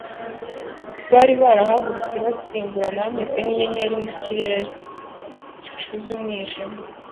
Bari barahagurutse basimburana bameze nk'inyenyeri mu kirere gicuze umwijima